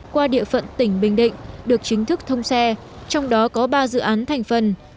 qua địa phận tỉnh bình định được chính thức thông xe trong đó có ba dự án thành phần